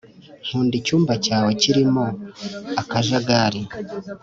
nkunda icyumba cyawe kirimo akajagari.